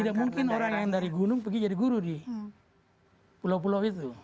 tidak mungkin orang yang dari gunung pergi jadi guru di pulau pulau itu